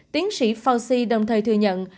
tiến sĩ fauci đồng thời thừa nhận